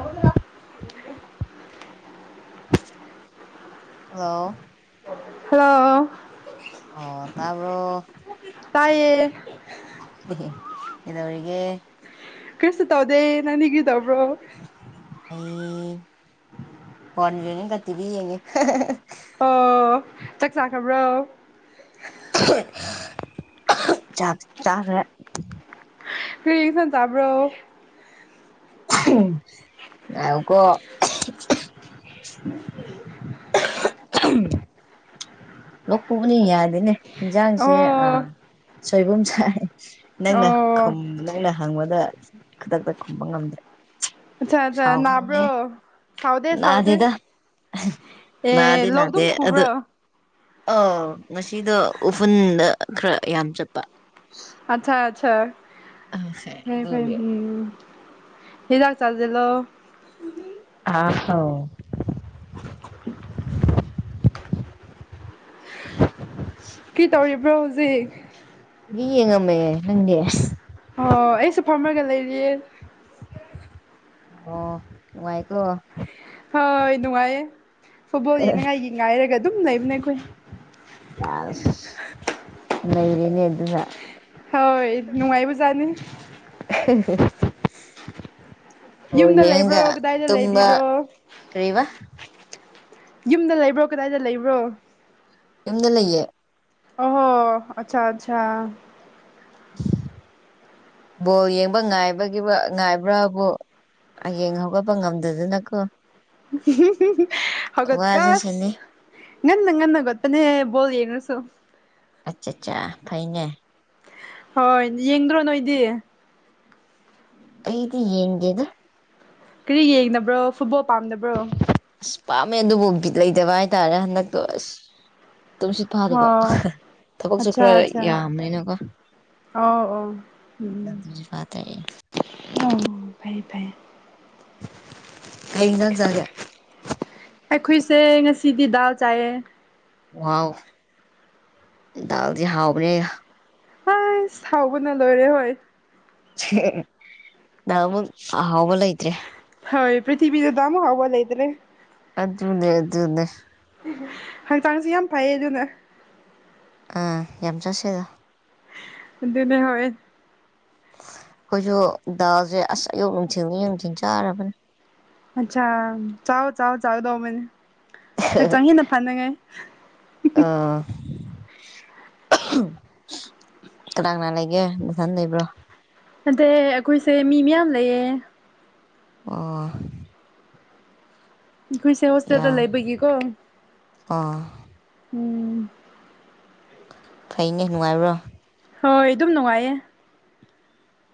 [unintelligible] [inaudible] hello hello ꯑꯣ ꯇꯕ ꯇꯥꯏꯌꯦ ꯏꯧꯒ ꯀ꯭ꯔꯤꯁ ꯇꯧꯗꯦ ꯅꯪ ꯍꯒꯗꯕ꯭ꯔꯣ ꯑꯩ ꯐꯣꯟꯕꯤ ꯅꯒꯛꯇꯤꯕꯤ ꯌꯦꯡꯉꯦ ꯑꯣ ꯆꯥꯛ ꯆꯥꯈꯕ꯭ꯔꯣ ꯆꯥꯛ ꯆꯥꯈ꯭ꯔꯦ ꯀꯁ ꯆꯕ꯭ꯔꯣ ꯑ ꯀꯣ ꯎ ꯂꯧꯣꯛ ꯄꯨꯕꯅꯤ ꯌꯥꯗꯦꯅꯦ ꯑꯣ ꯏꯟꯁꯥꯡꯁꯦ ꯑꯥ ꯁꯣꯏꯕꯨꯝ ꯁꯥꯏ ꯅꯪꯅ ꯑꯣ ꯅꯪꯅ ꯍꯪꯕꯗ ꯈꯨꯗꯛꯇ ꯈꯨꯝꯕ ꯉꯝꯗ꯭ꯔꯦ ꯑꯆꯥ ꯑꯆꯥ ꯅꯅꯥꯕ꯭ꯔꯣ ꯁꯥꯎꯒꯅꯨꯍꯦ ꯈꯥꯎꯗꯦ ꯁꯥꯎꯗꯦ ꯅꯥꯗꯦꯗ ꯑꯦ ꯂꯧ ꯑꯗꯨꯝ ꯈꯕ꯭ꯔꯣ ꯑ ꯉꯁꯤꯗꯣ ꯎꯐꯨꯟꯗ ꯈꯔ ꯌꯥꯝ ꯆꯠꯄ ꯑꯆꯥ ꯑꯆꯥ ꯐ ꯑꯗꯨꯒꯤ ꯎꯝ ꯀꯗꯥꯛ ꯆꯂꯖꯂꯣ ꯑ ꯍꯣ ꯀꯤ ꯇꯧꯔꯤꯕ꯭ꯔꯣ ꯍꯧꯖꯤꯛ ꯌꯦꯡꯉꯝꯃꯦ ꯅꯪꯗꯤ ꯑꯣ ꯑꯩꯁꯨ ꯐꯝꯃꯔꯒ ꯂꯩꯔꯤꯌꯦ ꯑꯣ ꯅꯨꯡꯉꯥꯏꯀꯣ ꯍꯣꯏ ꯅꯨꯡꯉꯥꯏꯌꯦ ꯐꯨꯠꯕꯣꯜ ꯌꯦꯡꯅꯤꯡꯉꯥꯏꯒꯤ ꯉꯥꯏꯔꯒ ꯑꯗꯨꯝ ꯂꯩꯕꯅꯦ ꯑꯩꯈꯣꯏ ꯑꯁ ꯅꯩꯔꯅꯦ ꯑꯗꯨꯅ ꯍꯣꯏ ꯅꯨꯡꯉꯥꯏꯕꯖꯅꯤ ꯑꯣ ꯌꯨꯝꯗ ꯂꯩꯕ꯭ꯔꯣ ꯌꯦꯒ ꯀꯗꯥꯏꯗ ꯇꯨꯝꯕ ꯂꯩꯕꯤꯕ꯭ꯔꯣ ꯇ꯭ꯩ ꯋꯥ ꯌꯨꯝꯗ ꯂꯩꯕ꯭ꯔꯣ ꯀꯗꯥꯏꯗ ꯂꯩꯕ꯭ꯔꯣ ꯌꯨꯝꯗ ꯂꯩꯌꯦ ꯑꯣꯣ ꯑꯆꯥ ꯑꯆꯥ [unintelligible] ꯕꯣꯜ ꯌꯦꯡꯕ ꯉꯥꯏꯕꯒꯤ ꯉꯥꯏꯕ꯭ꯔꯥꯕꯣ ꯍꯌꯦꯡ ꯍꯧꯒꯠꯄ ꯉꯝꯗꯗꯅꯀꯣ ꯋꯥꯖꯁꯅꯤ ꯍꯧꯒꯠꯗꯁ ꯉꯟꯅ ꯉ ꯅꯒꯠꯇꯅꯦ ꯣꯜ ꯍꯦꯅꯁꯨ ꯑꯆꯥ ꯑꯆꯥ ꯐꯩꯅꯦ ꯍꯣꯏ ꯌꯦꯡꯗ꯭ꯔꯣ ꯅꯣꯏꯗꯤ ꯑꯩꯗꯤ ꯌꯦꯡꯒꯦꯗ ꯀꯔꯤ ꯌꯦꯡꯅꯕ꯭ꯔꯣ ꯐꯨꯠꯕꯣꯜ ꯄꯥꯝꯗꯕ꯭ꯔꯣ ꯑꯁ ꯄꯥꯝꯃꯦ ꯑꯗꯨꯕꯨ ꯕꯤꯇ ꯂꯩꯇꯕ ꯍꯥꯏꯇꯥꯔꯦ ꯍꯟꯗꯛꯇꯣ ꯑꯁ ꯇꯨꯝꯁꯤꯠ ꯐꯥꯗꯕ ꯑꯣ ꯊꯕꯛꯁꯨ ꯑꯠꯆꯥ ꯈꯔ ꯑꯠꯆꯥ ꯌꯥꯝꯅꯤꯅꯀꯣ ꯑꯣ ꯑꯣ ꯎ ꯎ ꯇꯨꯝꯁꯤꯠ ꯐꯥꯗ꯭ꯔꯦ ꯑꯣ ꯐꯌꯦ ꯐꯌꯦ ꯀꯩ꫰ꯑꯦꯟꯁꯡ ꯆꯥꯒꯦ ꯑꯩꯈꯣꯏꯁꯦ ꯉꯁꯤꯗꯤ ꯗꯥꯜ ꯆꯥꯏꯌꯦ ꯋꯥꯎ ꯗꯥꯜꯗꯤ ꯍꯥꯎꯕꯅꯦ ꯍꯩꯁ ꯍꯥꯎꯕ ꯅ ꯂꯣꯏꯔꯦ ꯍꯣꯏ ꯗꯥꯜꯃꯨꯛ ꯑꯍꯥꯎꯕ ꯂꯩꯇ꯭ꯔꯦ ꯍꯣꯏ ꯄ꯭ꯔꯤꯊꯤꯕꯤꯗ ꯑꯃꯨꯛ ꯍꯥꯎꯕ ꯂꯩꯇ꯭ꯔꯦ ꯑꯗꯨꯅꯦ ꯑꯗꯨꯅꯦ ꯑꯗꯨ ꯑꯗꯨꯅꯦ ꯍꯛꯆꯥꯡꯁꯤ ꯌꯥꯝ ꯐꯩꯌꯦ ꯑꯗꯨꯅ ꯑꯥ ꯌꯥꯝ ꯆꯥꯁꯤꯟ ꯂꯨ ꯑꯗꯨꯅꯦ ꯍꯣꯔꯦꯟ ꯑꯩꯈꯣꯏꯖꯨ ꯗꯥꯜ ꯁꯦ ꯑꯁ ꯑꯌꯨꯛ ꯅꯨꯡꯊꯤꯟ ꯑꯌꯨꯛ ꯅꯨꯡꯊꯤꯟ ꯆꯥꯔꯕꯅꯦ ꯑꯠꯆꯥꯥ ꯆꯥꯎ ꯆꯥꯎ ꯆꯥꯒꯗꯧꯕꯅꯦ ꯍꯛꯆꯥꯡ ꯍꯦꯟꯅ ꯐꯥꯅꯤꯉꯥꯏ ꯑꯥ ꯀꯅꯥ ꯀꯅꯥ ꯂꯩꯒꯦ ꯅꯊꯟ ꯂꯩꯕ꯭ꯔꯣ ꯅꯇꯦ ꯑꯩꯈꯣꯏꯁꯦ ꯃꯤ ꯃꯌꯥꯝ ꯂꯩꯌꯦ ꯑꯣ ꯑꯩꯈꯣꯏꯁꯦ ꯍꯣꯁꯇꯦꯜꯗ ꯌꯥ ꯂꯩꯕꯒꯤꯀꯣ ꯎꯝ ꯑꯣ ꯐꯩꯅꯦ ꯅꯨꯡꯉꯥꯏꯕ꯭ꯔꯣ ꯍꯣꯏ ꯑꯗꯨꯝ ꯅꯨꯡꯉꯥꯏꯌꯦ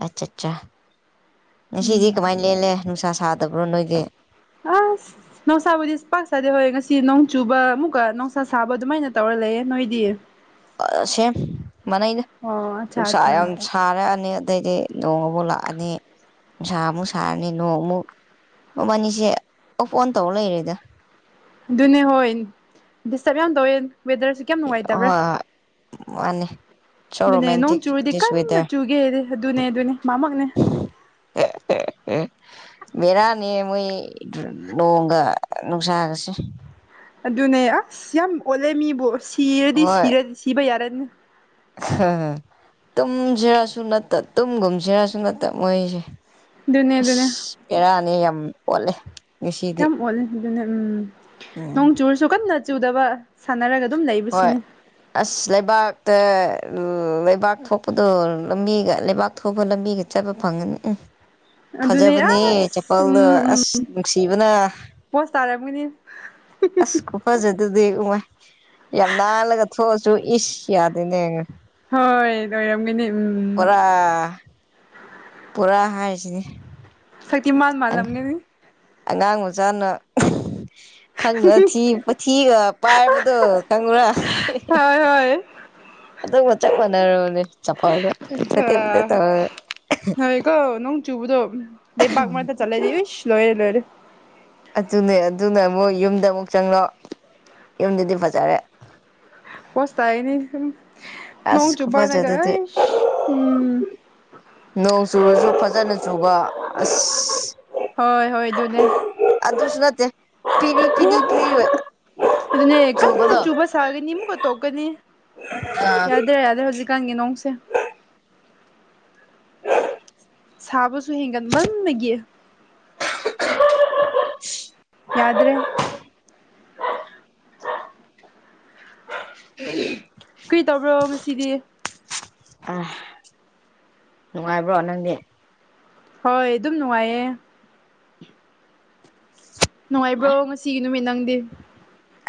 ꯑꯠꯆꯥ ꯑꯠꯆꯥ ꯉꯁꯤꯗꯤ ꯎꯝ ꯀꯃꯥꯏꯅ ꯂꯦꯜꯂꯦ ꯅꯨꯡꯁꯥ ꯁꯥꯗꯕ꯭ꯔꯣ ꯅꯣꯏꯗꯤ ꯑꯁ ꯅꯨꯡꯁꯥꯕꯨꯗꯤ ꯄꯥꯛ ꯁꯥꯗꯦꯕ ꯍꯣꯏ ꯉꯁꯤ ꯅꯣꯡ ꯆꯨꯕ ꯑꯃꯨꯛꯀꯥ ꯅꯨꯡꯁꯥ ꯁꯥꯕ ꯑꯗꯨꯃꯥꯏꯅ ꯇꯧꯔꯥ ꯂꯩꯌꯦ ꯅꯣꯏꯗꯤ ꯑꯥ ꯁꯦꯝ ꯃꯅꯩꯗ ꯑꯣ ꯑꯠꯆꯥ ꯅꯨꯡꯁꯥ ꯑꯠꯆꯥ ꯌꯥꯝ ꯁꯥꯔꯛꯑꯅꯤ ꯑꯗꯩꯗꯤ ꯅꯣꯡ ꯑꯃꯨꯛ ꯂꯥꯛꯑꯅꯤ ꯅꯨꯡꯁꯥ ꯑꯃꯨꯛ ꯁꯥꯔꯅꯤ ꯅꯣꯡꯃꯨꯛ ꯃꯕꯥꯅꯤꯁꯦ ꯑꯣꯐ ꯑꯣꯟ ꯇꯧꯔꯥ ꯂꯩꯔꯦꯗ ꯑꯗꯨꯅꯤ ꯍꯣꯏ ꯗꯤꯁꯇꯕ ꯌꯥꯝ ꯇꯧꯔꯦ ꯋꯦꯗꯔꯁꯦ ꯍꯣꯏ ꯍꯣꯏ ꯃꯥꯅꯦ ꯑꯗꯨꯅꯦ ꯅꯣꯡ ꯆꯨꯔꯗꯤ ꯀꯟꯅ ꯆꯨꯒꯦꯗꯤ ꯑꯗꯨꯅꯦ ꯑꯗꯨꯅꯦ ꯃꯥꯃꯛꯅꯦ [inaudible] ꯑꯦ ꯕꯦꯔꯥꯅꯤ ꯃꯣꯏ ꯅꯣꯡꯒꯥ ꯅꯨꯡꯁꯥꯒꯥꯁꯦ ꯑꯗꯨꯅꯦ ꯑꯁ ꯌꯥꯝ ꯑꯣꯠꯂꯦ ꯃꯤꯕꯨ ꯁꯤꯔꯗꯤ ꯁꯤꯔ ꯁꯤꯕ ꯌꯥꯔꯅꯤ ꯇꯨꯝꯖꯤꯔꯁꯨ ꯅꯠꯇꯥ ꯇꯨꯝꯒꯨꯝꯁꯤꯔꯁꯨ ꯅꯠꯇꯥ ꯃꯣꯏꯁꯦ ꯑꯗꯨꯅꯦ ꯑꯗꯨꯅꯦ ꯑꯁ ꯕꯦꯔꯥꯅꯤ ꯌꯥꯝ ꯑꯣꯠꯂꯦ ꯉꯁꯤꯗꯤ ꯌꯥꯝ ꯑꯣꯂꯤ ꯑꯗꯨꯅꯦ ꯎꯝ ꯎꯝ ꯅꯣꯡ ꯆꯨꯔꯁꯨ ꯀꯟꯅ ꯆꯨꯗꯕ ꯁꯥꯟꯅꯔꯥꯒ ꯑꯗꯨꯝ ꯍꯣꯏ ꯂꯩꯕꯁꯤꯅꯤ ꯑꯁ ꯂꯩꯕꯥꯛꯇꯥ ꯂꯩꯕꯥꯛ ꯊꯣꯛꯄꯗꯣ ꯂꯝꯕꯤꯒ ꯂꯩꯕꯥꯛ ꯊꯣꯞꯄ ꯂꯝꯕꯤꯒ ꯆꯠꯕ ꯐꯪꯉꯅꯤ ꯎꯝ [inaudible] ꯐꯖꯕꯅꯤꯍꯦ ꯑꯁ ꯆꯄꯜꯗꯣ ꯎꯝ ꯎꯝ ꯑꯁ ꯅꯨꯡꯁꯤꯕꯅ ꯄꯣꯁ ꯇꯥꯔꯝꯒꯅꯤ ꯑꯁ ꯈꯨꯐꯥꯖꯗꯨꯗꯤ ꯌꯥꯝ ꯅꯥꯜꯂꯒ ꯊꯣꯛꯑꯁꯨ ꯏꯁ ꯌꯥꯗꯦꯅꯦ ꯍꯣꯏ ꯂꯣꯏꯔꯝꯒꯅꯤ ꯄꯨꯔꯥ ꯄꯨꯔꯥ ꯍꯥꯏꯁꯤꯅꯤ ꯁꯛꯇꯤꯃꯥꯜ ꯃꯥꯜꯂꯝꯒꯥꯅꯤ ꯑꯉꯥꯡ ꯃꯆꯥꯥꯅ ꯈꯪꯗꯥꯗꯅ ꯊꯤ ꯃꯊꯤꯒ ꯄꯥꯏꯕꯗꯣ ꯈꯪꯕꯔꯥ ꯍꯣꯏ ꯍꯣꯏ ꯑꯗꯨꯒ ꯆꯞ ꯃꯥꯟꯔꯕꯅꯦ ꯆꯞꯄꯜꯗꯣ ꯑꯆꯥ ꯄꯦꯗ꯭ꯔꯦꯛ ꯄꯦꯗ꯭ꯔꯦꯛ ꯇꯧꯔꯒꯥ ꯍꯣꯏꯀꯣ ꯅꯣꯡ ꯆꯨꯕꯗꯣ ꯂꯩꯕꯥꯛ ꯃꯔꯛꯇꯥ ꯆꯠꯂꯗꯤ ꯏꯁ ꯂꯣꯏꯔꯦ ꯂꯣꯏꯔꯦ ꯑꯗꯨꯅꯦ ꯑꯗꯨꯅ ꯑꯃꯨꯛ ꯌꯨꯝꯗꯥ ꯑꯃꯨꯛ ꯆꯪꯂꯣ ꯌꯨꯝꯗꯨꯗꯤ ꯐꯖꯔꯦ ꯄꯣꯁ ꯇꯥꯏꯌꯦꯅꯦ ꯍꯨꯝ ꯅꯣꯡ ꯑꯁ ꯆꯨꯕꯅꯒ ꯈꯨꯐꯖꯗꯨꯗꯤ ꯑꯥꯏꯁ ꯍꯨꯝ ꯅꯣꯡ ꯆꯨꯔꯁꯨ ꯐꯖꯅ ꯆꯨꯕ ꯑꯁ ꯍꯣꯏ ꯍꯣꯏ ꯑꯗꯨꯅꯦ ꯑꯗꯨꯁꯨ ꯅꯠꯇꯦ ꯄꯤꯔꯤ ꯄꯤꯔꯤ ꯄꯤꯔꯤ [unintelligible] ꯑꯗꯨꯅꯦ ꯀꯟꯅ ꯆꯨꯕꯗꯣ ꯆꯨꯕ ꯁꯥꯒꯅꯤ ꯑꯃꯨꯛꯀꯥ ꯇꯣꯛꯀꯅꯤ ꯑꯥ ꯌꯥꯗꯦ ꯌꯥꯗ꯭ꯔꯦ ꯍꯧꯖꯤꯛ ꯀꯥꯡꯒꯤ ꯅꯣꯡꯁꯦ ꯁꯥꯕꯁꯨ ꯍꯦꯟꯒꯠꯃꯥꯟꯕꯒꯤ ꯌꯥꯗ꯭ꯔꯦ ꯎꯝ ꯀꯔꯤ ꯇꯧꯕ꯭ꯔꯣ ꯉꯁꯤꯗꯤ ꯑꯍ ꯅꯨꯡꯉꯥꯏꯕ꯭ꯔꯣ ꯅꯪꯗꯤ ꯍꯣꯏ ꯑꯗꯨꯝ ꯅꯨꯡꯉꯥꯏꯌꯦ ꯍꯥ ꯅꯨꯡꯉꯥꯏꯕ꯭ꯔꯣ ꯉꯁꯤꯒꯤ ꯅꯨꯃꯤꯠ ꯅꯪꯗꯤ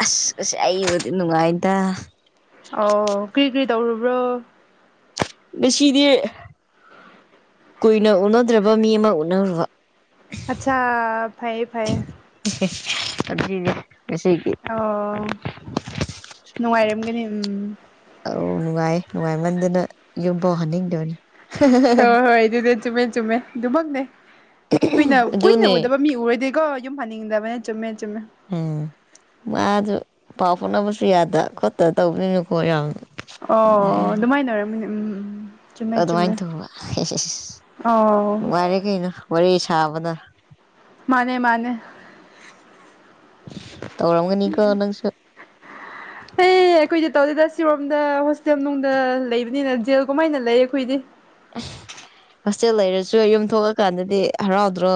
ꯑꯁ ꯑꯁ ꯑꯩꯕꯨꯗꯤ ꯅꯨꯡꯉꯥꯏꯗ ꯑꯣ ꯀꯔꯤ ꯀꯔꯤ ꯇꯧꯔꯨꯕ꯭ꯔꯣ ꯉꯁꯤꯗꯤ ꯀꯨꯏꯅ ꯎꯅꯗ꯭ꫪꯤꯕ ꯃꯤ ꯑꯃ ꯎꯅꯔꯨꯕ ꯑꯆꯥꯥ ꯐꯌꯦ ꯐꯩꯌꯦ ꯏꯍꯦ ꯑꯗꯨꯅꯤꯅꯦ ꯉꯁꯤꯒꯤ ꯑꯣ ꯅꯨꯡꯉꯥꯏꯔꯝꯒꯅꯤ ꯎꯝ ꯑꯧ ꯅꯨꯡꯉꯥꯏ ꯅꯨꯡꯉꯥꯏꯃꯟꯗꯅ ꯌꯨꯝꯐꯥꯎ ꯍꯟꯅꯤꯡꯗꯣꯏꯅꯦ ꯍꯣꯏ ꯍꯣꯏ ꯑꯗꯨꯗꯤ ꯆꯨꯝꯃꯦ ꯆꯨꯝꯃꯦ ꯑꯗꯨꯃꯛꯅꯦ ꯀꯨꯏꯅ ꯀꯨꯏꯅ ꯑꯗꯨꯅꯦ ꯎꯗꯕ ꯃꯤ ꯎꯔꯗꯤꯦꯀꯣ ꯌꯨꯝ ꯍꯥꯟꯅꯤꯡꯗꯕꯅꯦ ꯆꯨꯝꯃꯦ ꯆꯨꯝꯃꯦ ꯎꯝ ꯃꯥꯗꯨ ꯄꯥꯎ ꯐꯥꯎꯅꯕꯁꯨ ꯌꯥꯗ ꯈꯣꯠꯇ ꯇꯧꯕꯗꯅꯤꯅꯨꯀꯣ ꯌꯥꯝ ꯑꯣ ꯑꯗꯨꯃꯥꯏꯅ ꯑꯣꯏꯔꯝꯃꯤꯅꯤ ꯎꯝ ꯎꯝ ꯆꯨꯝꯃꯦ ꯆꯨꯝꯃꯦ ꯑꯗꯨꯃꯥꯏꯅ ꯇꯧꯕ ꯍꯤꯁ ꯍꯤꯗ ꯑꯣ ꯅꯨꯡꯉꯥꯏꯔꯦ ꯀꯩꯅꯣ ꯋꯥꯔꯤ ꯁꯥꯕꯅ ꯃꯥꯅꯦ ꯃꯥꯅꯦ ꯇꯧꯔꯝꯒꯅꯤꯀꯣ ꯅꯪꯁꯨ ꯍ ꯑꯩꯈꯣꯏꯗꯤ ꯇꯧꯗꯦꯗ ꯁꯤꯔꯣꯝꯗ ꯍꯣꯁꯇꯦꯜ ꯅꯨꯡꯗ ꯂꯩꯕꯅꯤꯅ ꯖꯦꯜꯒꯨꯝꯃꯥꯏꯅ ꯂꯩꯌꯦ ꯑꯩꯈꯣꯏꯗꯤ ꯍꯣꯁꯇꯦꯜ ꯂꯩꯔꯁꯨ ꯌꯨꯝ ꯊꯣꯛꯂꯀꯥꯟꯗꯗꯤ ꯍꯔꯥꯎꯗ꯭ꯔꯣ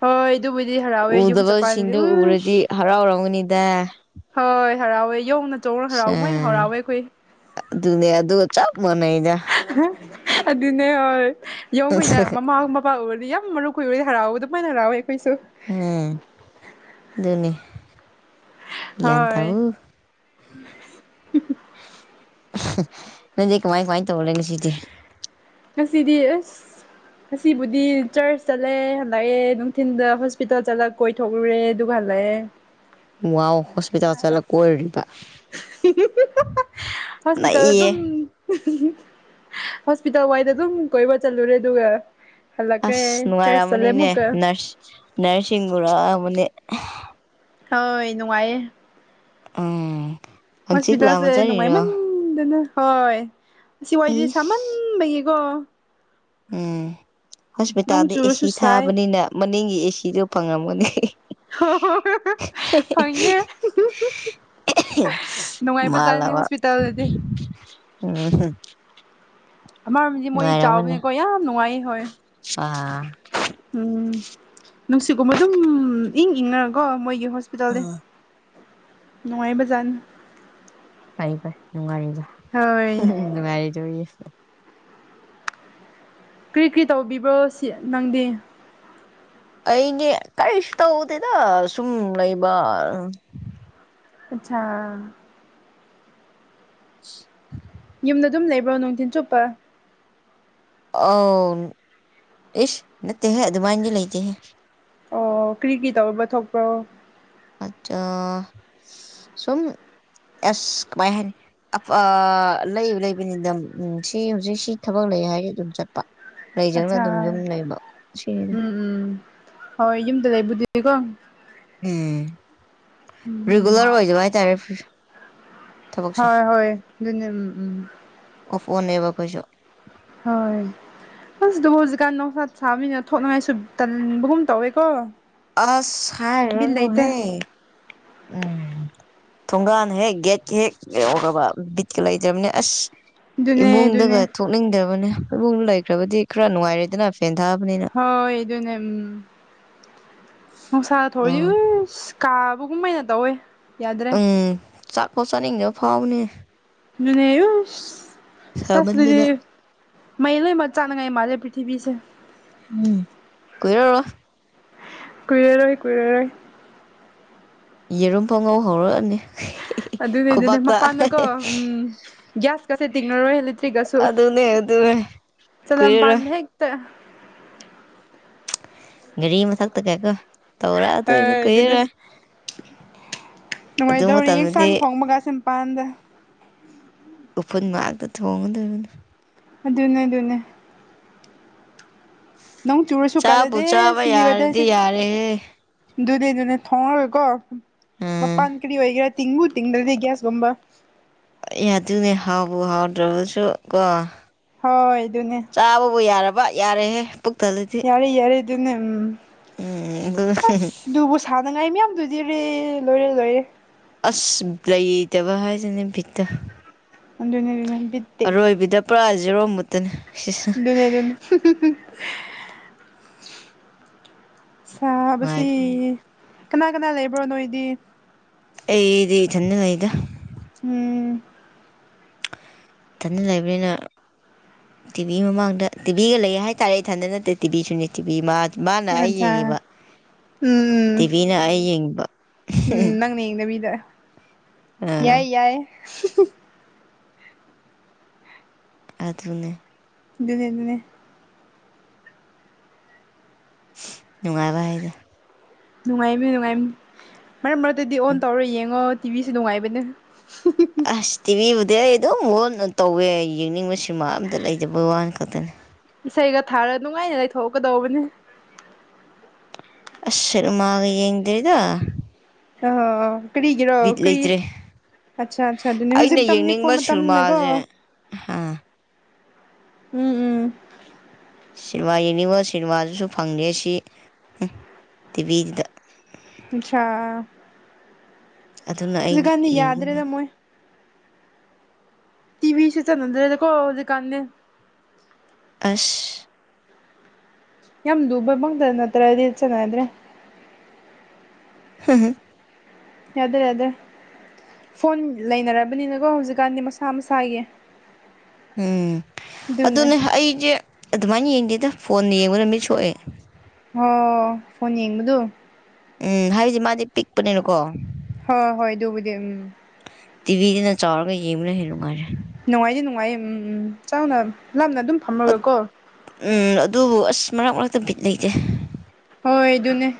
ꯍꯣꯏ ꯑꯗꯨꯕꯨꯗꯤ ꯍꯔꯥꯎꯋꯦ ꯌꯨꯝ ꯆꯠꯀꯥꯟꯗꯗꯤ ꯎꯗꯕꯁꯤꯡꯗꯨ ꯎꯁ ꯎꯔꯗꯤ ꯍꯔꯥꯎꯔꯝꯒꯅꯤꯗ ꯍꯣꯏ ꯍꯔꯥꯎꯋꯦ ꯌꯣꯡꯅ ꯆꯣꯡꯅ ꯁꯦ ꯍꯔꯥꯎ ꯃꯣꯏꯅ ꯍꯔꯥꯎꯋꯦ ꯑꯩꯈꯣꯏ ꯑꯗꯨꯅꯦ ꯑꯗꯨꯒ ꯆꯞ ꯃꯥꯟꯅꯩꯗ ꯍꯥ ꯑꯗꯨꯅꯦ ꯍ ꯌꯣꯡ ꯈꯣꯏꯅ ꯃꯃꯥ ꯃꯄ ꯎꯔꯗꯤ ꯌꯥꯝ ꯃꯔꯨ ꯈꯣꯏꯕꯒꯤ ꯍꯔꯥꯎꯕ ꯑꯗꯨ ꯃꯥꯏꯅ ꯍꯔꯥꯎꯋꯦ ꯑꯩꯈꯣꯏꯁꯨ ꯎꯝ ꯑꯗꯨꯅꯤ ꯍꯣꯏ ꯎꯝꯍꯥ ꯅꯪꯗꯤ ꯀꯃꯥꯏ ꯀꯃꯥꯏꯅ ꯇꯧ ꯂꯩ ꯉꯥꯁꯤꯗꯤ ꯉꯁꯤꯗꯤ ꯑꯁ ꯑꯁꯤꯕꯨꯗꯤ ꯆꯔꯆ ꯆꯠꯂꯦ ꯍꯜꯂꯛꯑꯦ ꯅꯨꯡꯊꯤꯟꯜꯗ ꯍꯣꯁꯄꯤꯇꯥꯜ ꯆꯠꯂꯛ ꯀꯣꯏꯊꯣꯛ ꯔꯨꯔꯣ ꯑꯗꯨꯒꯥ ꯍꯜꯂꯥꯛꯑꯦ ꯋꯥꯑꯣ ꯍꯣꯁꯄꯤꯇꯥꯜ ꯆꯠꯂꯒ ꯀꯣꯏꯔꯨꯔꯤꯕ ꯍꯤ ꯍꯤ ꯍꯤ ꯍꯣꯁꯄꯤꯇꯥꯜ ꯅꯩꯌꯦ ꯑꯗꯨꯝ ꯎꯍꯨꯝ ꯍꯨꯝ ꯍꯣꯁꯄꯤꯇꯥꯜ ꯋꯥꯏꯗ ꯑꯗꯨꯝ ꯀꯣꯏꯕ ꯆꯠꯂꯨꯔꯦ ꯑꯗꯨꯒ ꯍꯜꯂꯛꯈ꯭ꯔꯦ ꯑꯁ ꯆꯔꯆ ꯆꯠꯂꯦ ꯅꯨꯡꯉꯥꯏꯔꯝꯑꯃꯅꯤꯅꯦ ꯑꯃꯨꯛꯀ ꯅꯔꯁ ꯅꯔꯁꯁꯤꯡ ꯎꯔꯛꯑꯝꯃꯅꯤ ꯍꯣꯏ ꯅꯨꯡꯉꯥꯏꯌꯦ ꯎꯝ ꯍꯪꯆꯤꯠ ꯍꯣꯁꯄꯤꯇꯥꯜꯁꯦ ꯂꯥꯝꯃꯖꯔꯤꯔꯣ ꯅꯨꯡꯉꯥꯏꯃꯟꯗꯅ ꯍꯣꯏ ꯁꯤ ꯋꯥꯏꯖꯦ ꯏꯁ ꯁꯥꯃꯟꯕꯩꯒꯤꯀꯣ ꯎꯝ ꯍꯣꯁꯄꯤꯇꯥꯜꯗꯤ ꯑꯦꯁꯤ ꯁꯥꯏ ꯊꯥꯕꯅꯤꯅ ꯃꯅꯤꯡꯒꯤ ꯑꯦꯁꯤꯗꯨ ꯐꯪꯉꯝꯒꯅꯤ ꯍꯣꯍꯣꯍꯣꯏ ꯐꯪꯒꯦ ꯅꯨꯡꯉꯥꯏꯕꯖꯥꯠꯅꯤ ꯍꯣꯁꯄꯤꯇꯥꯜꯗꯗꯤ ꯎꯝꯍꯨ ꯑꯃꯔꯣꯝꯗꯗꯤ ꯃꯣꯏ ꯆꯥꯎꯕꯅꯤꯀꯣ ꯌꯥꯝ ꯅꯨꯡꯉꯥꯏꯌꯦ ꯍꯣꯏ ꯁꯥ ꯎꯝ ꯅꯨꯡꯁꯤꯠꯒꯨꯝꯕ ꯑꯗꯨꯝ ꯏꯪ ꯏꯪꯅꯔꯀꯣ ꯃꯣꯏꯒꯤ ꯍꯣꯁ ꯄꯤꯇꯜꯗꯤ ꯑꯥ ꯅꯨꯡꯉꯥꯏꯕꯖꯥꯠꯅꯤ ꯐꯩ ꯐꯩ ꯅꯨꯡꯒꯥꯏꯔꯤꯗꯣ ꯍꯣꯏ ꯍꯨꯝꯍꯨꯝ ꯅꯨꯡꯉꯥꯏꯔꯤꯗꯣꯌꯦ ꯀ꯭ꯔꯤ ꯀꯔꯤ ꯇꯧꯕꯤꯕ꯭ꯔꯣ ꯁꯤ ꯅꯪꯗꯤ ꯑꯩꯒꯤ ꯀꯔꯤꯁꯨ ꯇꯧꯗꯦꯗ ꯁꯨꯝ ꯂꯩꯕ [unintelligible] [inaudible] ꯌꯨꯝꯗ ꯑꯗꯨꯝ ꯂꯩꯕ꯭ꯔꯣ ꯅꯨꯡꯊꯤꯟ ꯆꯨꯞꯄ ꯑꯥꯎꯟ ꯏꯁ ꯅꯠꯇꯦꯍꯦ ꯑꯗꯨꯃꯥꯏꯟꯗꯤ ꯂꯩꯇꯦꯍꯦ ꯑꯣ ꯀ꯭ꯔꯤꯒꯤ ꯇꯧꯕ ꯊꯣꯛꯄ꯭ꯔꯣ ꯑꯆꯥ ꯁꯨꯝ ꯑꯁ ꯀꯃꯥꯏ ꯍꯥꯏꯅꯤ [unintelligible] ꯂꯩ ꯂꯩꯕꯅꯤꯗ ꯎꯝ ꯁꯤ ꯍꯧꯖꯤꯛ ꯁꯤ ꯊꯕꯛ ꯂꯩ ꯍꯥꯏꯔꯗꯤ ꯑꯗꯨꯝ ꯆꯠꯄ ꯂꯩꯖꯪꯒꯅ ꯑꯗꯨꯝ ꯑꯠꯆꯥ ꯌꯨꯝ ꯂꯩꯕ ꯁꯤꯔꯦ ꯎꯝ ꯎꯝ ꯍꯣꯏ ꯌꯨꯝꯗ ꯂꯩꯕꯨꯗꯨꯗꯤꯀꯣ ꯎꯝ ꯔꯤꯒꯨꯂꯔ ꯎꯝ ꯑꯣꯏꯗꯕ ꯍꯥꯏꯇꯥꯔꯦ ꯊꯕꯛꯁꯦ ꯍꯣꯏ ꯍꯣꯏ ꯑꯗꯨꯅꯤ ꯎꯝ ꯎꯝ ꯑꯣꯐ ꯑꯣꯟ ꯅꯦꯕ ꯑꯩꯈꯣꯏꯁꯨ ꯍꯣꯏ ꯑꯁ ꯑꯗꯕꯨ ꯍꯧꯖꯤꯛꯀꯥꯟ ꯅꯣꯡꯁꯥ ꯁꯥꯕꯅꯤꯅ ꯊꯣꯛꯅꯉꯥꯏꯁꯨ ꯇꯟꯕꯒꯨꯝ ꯇꯧꯋꯦꯀꯣ ꯑꯁ ꯕꯤꯠ ꯂꯩꯇꯦ ꯍꯥꯏꯔꯨꯔꯅꯨꯍꯦ ꯎꯝ ꯊꯣꯡꯒꯥꯟ ꯍꯦꯛ ꯒꯦꯠꯀꯤ ꯍꯦꯛ ꯌꯧꯔꯕ ꯕꯤꯠꯀ ꯂꯩꯇꯝꯅꯦ ꯑꯁ ꯑꯗꯨꯅꯦ ꯑꯗꯨꯅꯦ ꯏꯃꯨꯡꯗꯒ ꯊꯣꯛꯅꯤꯡꯗꯕꯅꯦ ꯏꯃꯨꯡꯗ ꯂꯩꯈ꯭ꯔꯕꯗꯤ ꯈꯔ ꯅꯨꯡꯉꯥꯏꯔꯦꯗꯅ ꯐꯦꯟ ꯊꯥꯕꯅꯤꯅ ꯍꯣꯏ ꯑꯗꯨꯅꯦ ꯎꯝ ꯅꯨꯡꯁꯥ ꯊꯣꯛꯑꯦ ꯎꯝ ꯎꯁ ꯀꯥꯕꯒꯨꯝꯃꯥꯏꯅ ꯇꯧꯋꯦ ꯌꯥꯗ꯭ꯔꯦ ꯎꯝ ꯆꯥꯛꯄꯧ ꯆꯥꯅꯤꯡꯗꯕ ꯐꯥꯎꯕꯅꯤ ꯗꯨꯅꯦ ꯎꯁ ꯁꯥꯃꯟꯗꯅ [unintelligible] ꯃꯩ ꯂꯣꯏꯃꯛ ꯆꯥꯛꯅꯉꯥꯏ ꯃꯥꯜꯂꯦ ꯄ꯭ꯔꯤꯊꯤꯕꯤꯁꯦ ꯎꯝ ꯀꯨꯏꯔꯔꯣꯏ ꯀꯨꯏꯔꯔꯣꯏ ꯀꯨꯏꯔꯔꯣꯏ ꯌꯦꯔꯨꯝꯐꯧ ꯉꯧ ꯍꯧꯔꯛꯑꯅꯤ ꯑꯗꯨꯅꯦ ꯑꯗꯨꯅꯦ ꯈꯨꯕꯥꯛꯇ ꯃꯄꯥꯟꯗꯀꯣ ꯎꯝ ꯒ꯭ꯌꯥꯁꯀꯁꯦ ꯇꯤꯡꯉꯔꯣꯏ ꯑꯦꯂꯦꯛꯇ꯭ꯔꯤꯛꯀꯁꯨ ꯑꯗꯨꯅꯦ ꯑꯗꯨ ꯀꯨꯏꯔꯔꯣꯏ [unintelligible] ꯒꯥꯔꯤ ꯃꯊꯛꯇꯒ ꯀꯣ ꯇꯧꯔꯛ ꯑꯗꯣꯏꯅꯤ ꯑꯗꯨꯅꯦ ꯀꯨꯏꯔꯔꯣꯏ ꯑꯗꯨ ꯅꯨꯡꯉꯥꯏꯗꯧꯔꯤ ꯏꯟꯁꯥꯡ ꯃꯇꯝꯗꯗꯤ ꯊꯣꯡꯕꯒꯥꯁꯤ ꯃꯄꯥꯟꯗ ꯎꯐꯨꯟ ꯃꯥꯛꯇ ꯊꯣꯡꯒꯗꯕꯅꯤ ꯑꯗꯨꯅꯦ ꯑꯗꯨꯅꯦ ꯅꯪ ꯆꯨꯔꯁꯨ ꯆꯥꯕꯨ ꯀꯥꯟꯅꯗꯦ ꯆꯥꯕ ꯁꯤꯗꯤ ꯌꯥꯔꯗꯤ ꯋꯦꯗꯔꯗꯤ ꯌꯥꯔꯦꯍꯦ ꯑꯗꯨꯅꯦ ꯑꯗꯨꯅꯦ ꯊꯣꯡꯉꯔꯣꯏꯀꯣ ꯎꯝ ꯃꯄꯥꯟ ꯀꯔꯤ ꯑꯣꯏꯒꯦꯔꯥ ꯇꯤꯡꯕꯨ ꯇꯤꯡꯗ꯭ꯔꯗꯤ ꯒ꯭ꯌꯥꯁꯀꯨꯝꯕ ꯑꯦ ꯑꯗꯨꯅꯤ ꯍꯥꯎꯕ ꯍꯥꯎꯗ꯭ꯔꯕꯁꯨ ꯀꯣ ꯍꯣꯏ ꯑꯗꯨꯅꯦ ꯆꯥꯕꯕꯨ ꯌꯥꯔꯕ ꯌꯥꯔꯦꯍꯦ ꯄꯨꯛ ꯊꯜꯂꯗꯤ ꯌꯥꯔꯦ ꯌꯥꯔꯦ ꯑꯗꯨꯅꯦ ꯎꯝ ꯎꯝ [unintelligible] ꯑꯁ ꯑꯗꯨꯕꯨ ꯁꯥꯟꯅꯉꯥꯏ ꯃꯌꯥꯝꯗꯨꯗꯤꯔꯦ ꯂꯣꯏꯔꯦ ꯂꯣꯏꯔꯦ ꯑꯁ ꯂꯩꯇꯕ ꯍꯥꯏꯁꯤꯅꯦ ꯕꯤꯠꯇꯣ ꯑꯗꯨꯅꯦ ꯑꯗꯨꯅꯦ ꯕꯤꯠ ꯇꯦꯛ ꯑꯔꯣꯏꯕꯤꯗ ꯄꯨꯔꯥ ꯖꯦꯔꯣ ꯃꯨꯠꯇꯅꯦ [unintelligible] [unintelligible] ꯅꯨꯡꯉꯥꯏꯕꯅꯤ ꯁꯥꯥꯕꯁꯤ ꯀꯅꯥ ꯀꯅꯥ ꯂꯩꯕ꯭ꯔꯣ ꯅꯣꯏꯗꯤ ꯑꯦꯗꯤ ꯊꯅ ꯂꯩꯗ ꯎꯝ ꯇꯅ ꯂꯩꯕꯅꯤꯅ ꯇꯤꯚꯤ ꯃꯃꯥꯡꯗ ꯇꯤꯚꯤꯒ ꯂꯩ ꯍꯥꯏꯇꯥꯔꯦ ꯏꯊꯟꯗ ꯅꯠꯇꯦ ꯇꯤꯚꯤꯁꯨꯅꯦ ꯇꯤꯚꯤ ꯃꯥ ꯃꯥꯅ ꯑꯩ ꯑꯆꯥ ꯌꯦꯡꯉꯤꯕ ꯎꯝ ꯎꯝ ꯇꯤꯚꯤꯅ ꯑꯩ ꯌꯦꯡꯉꯤꯕ ꯎꯝ ꯅꯪꯅ ꯌꯦꯡꯅꯕꯤꯗ ꯑꯥ ꯌꯥꯏ ꯌꯥꯏ ꯑꯗꯨꯅ ꯗꯤ ꯑꯗꯨꯅꯦ ꯅꯨꯡꯉꯥꯏꯕ ꯍꯥꯏꯗ ꯅꯨꯡꯉꯥꯏꯃꯤ ꯅꯨꯡꯉꯥꯏ ꯃꯔꯛ ꯃꯔꯛꯇꯗꯤ ꯑꯣꯟ ꯇꯧꯔ ꯌꯦꯡꯉꯣ ꯇꯤꯕꯤꯁꯨ ꯅꯨꯡꯉꯥꯏꯕꯅꯦ ꯑꯁ ꯇꯤꯚꯤꯕꯨꯗꯤ ꯑꯩ ꯑꯗꯨꯝ ꯍꯟꯅ ꯇꯧꯋꯦ ꯌꯦꯡꯅꯤꯡꯕꯕꯁꯤꯃ ꯑꯝꯇ ꯂꯩꯖꯕꯩ ꯋꯥꯅꯤ ꯈꯛꯇꯅꯤ ꯏꯁꯩꯒ ꯊꯥꯔ ꯅꯨꯡꯉꯥꯏꯅ ꯂꯩꯊꯣꯛꯀꯗꯧꯕꯅꯤ ꯑꯁꯜꯃꯒ ꯌꯦꯡꯗꯔꯤꯗ ꯑ ꯀꯔꯤꯒꯔꯑꯣ ꯀꯔꯤ ꯂꯩꯇ꯭ꯔꯦ ꯑꯠꯆꯥ ꯑꯆꯥ ꯑꯗꯨꯅꯦ ꯍꯧꯖꯤꯛ ꯑꯩꯅ ꯃꯇꯝꯝꯅꯤ ꯐꯣꯟ ꯌꯦꯡꯅꯤꯡꯕ ꯃꯇꯝꯅꯦꯀꯣ ꯁꯤꯅꯦꯃꯥꯁꯦ ꯑꯥ ꯎꯝ ꯎꯝ ꯁꯤꯅꯦꯃꯥ ꯌꯦꯡꯅꯤꯡꯕ ꯁꯤꯅꯦꯃꯥꯗꯨꯁꯨ ꯐꯪꯉꯦ ꯁꯤ ꯇꯤꯚꯤꯗ ꯑꯆꯥꯥ ꯑꯗꯨꯅ ꯑꯩ ꯁꯤꯖꯤꯀꯥꯟꯅꯤ ꯌꯥꯗ ꯌꯦꯡꯅꯤꯡꯗꯦ ꯔꯦꯗ ꯃꯣꯏꯣꯏ ꯇꯤꯕꯤꯁ ꯆ ꯅꯗ꯭ꯔꯦꯣꯗꯨꯀꯥꯟꯅꯦ ꯑꯁ ꯌꯥꯝ ꯨꯕꯃꯪꯛꯇ ꯅꯠꯇ꯭ꯔꯗꯤ ꯆꯥꯟꯅꯗ꯭ꯔꯦ ꯍꯝ ꯌꯥꯗꯦ ꯌꯥꯗꯦ ꯐꯣꯟ ꯂꯩꯅꯔꯕꯅꯤꯅꯀꯣ ꯍꯧꯖꯤꯛꯀꯥꯟꯗꯤ ꯃꯁꯥ ꯃꯁꯥꯒꯤ ꯎꯝ ꯑꯗꯨꯅ ꯑꯗꯨꯅꯦ ꯑꯩꯁꯦ ꯑꯗꯨꯃꯥꯏꯅ ꯌꯦꯡꯗꯦꯗ ꯐꯣꯟꯅ ꯌꯦꯡꯕ ꯅꯨ ꯃꯤꯠ ꯁꯣꯛꯑꯦ ꯍ ꯐꯣꯟ ꯌꯦꯡꯕꯗꯨ ꯎꯝ ꯍꯥꯏꯁ ꯃꯥꯗꯤ ꯄꯤꯛꯄꯅꯤꯅꯀꯣ ꯍꯣꯏ ꯍꯣꯏ ꯑꯗꯨꯕꯨꯗꯤ ꯎꯝ ꯇꯤꯕꯤꯗꯤꯅ ꯆꯥꯎꯧꯔꯒ ꯌꯦꯃꯤꯅ ꯍꯅꯅꯨꯡꯉꯔꯦ ꯅꯨꯡꯉꯥꯏꯗꯤ ꯅꯨꯡꯉꯥꯏꯌꯦ ꯎꯝ ꯎꯝ ꯆꯥꯎꯅ ꯂꯥꯞꯅ ꯑꯗꯨꯝ ꯐꯝꯃꯒꯀꯣ ꯎꯝ ꯑꯗꯨꯕꯨ ꯑꯁ ꯃꯔꯛ ꯃꯔꯛꯇ ꯕꯤꯠ ꯂꯩꯇꯦ ꯍꯣꯏ ꯑꯗꯨꯅꯦ